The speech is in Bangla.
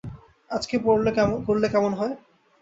আজকে করলে কেমন হয়?